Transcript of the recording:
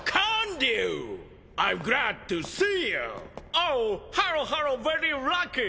オーハロハロベリーラッキー！